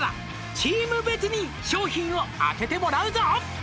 「チーム別に商品を当ててもらうぞ」